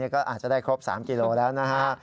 ก็อาจจะได้ครบ๓กิโลแล้วนะฮะ